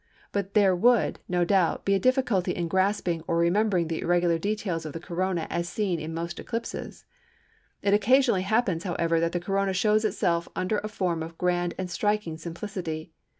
But there would, no doubt, be a difficulty in grasping or remembering the irregular details of the Corona as seen in most eclipses. It occasionally happens, however, that the Corona shows itself under a form of grand and striking simplicity.